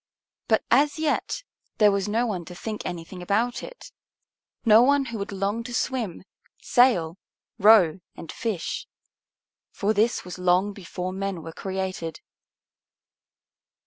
But as yet there was no one to think anything about it, no one who would long to swim, sail, row, and fish. For this was long before men were created.